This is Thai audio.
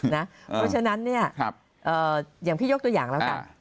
เพราะฉะนั้นอย่างพี่ยกตัวอย่างแล้วกัน